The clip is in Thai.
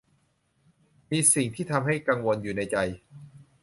มีสิ่งที่ทำให้กังวลอยู่ในใจ